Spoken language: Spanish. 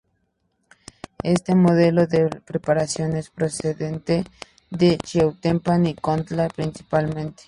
Este modelo de preparación es procedente de Chiautempan y Contla, principalmente.